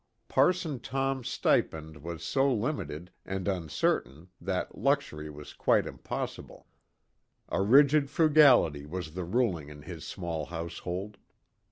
Parson Tom's stipend was so limited and uncertain that luxury was quite impossible; a rigid frugality was the ruling in his small household.